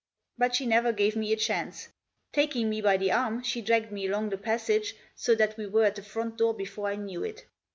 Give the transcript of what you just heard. But she never gave me a chance. Taking me by the arm she dragged me along the passage so that we were at the front door before I knew it.